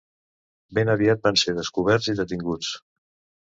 Ben aviat van ser descoberts i detinguts.